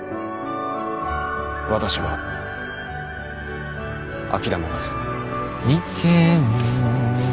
私は諦めません。